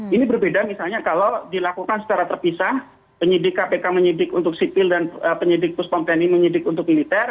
ini berbeda misalnya kalau dilakukan secara terpisah penyidik kpk menyidik untuk sipil dan penyidik puspom tni menyidik untuk militer